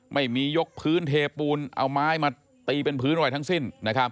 ไม่มียกพื้นเทปูนเอาไม้มาตีเป็นพื้นอะไรทั้งสิ้น